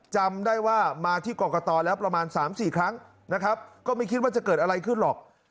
จำได้ว่ามาที่กรกตแล้วประมาณ๓๔ครั้งนะครับก็ไม่คิดว่าจะเกิดอะไรขึ้นหรอก